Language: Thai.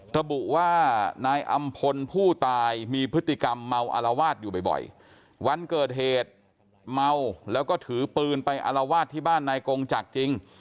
ระบุว่านายอำพลผู้ตายมีพฤติกรรมเมาอารวาสอยู่บ่อยวันเกิดเหตุเมาแล้วก็ถือปืนไปอารวาสที่บ้านนายกงจักรจริง